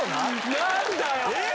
何だよ！